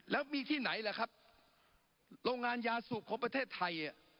แล้วมีที่ไหนล่ะครับโรงงานยาสูบของประเทศไทย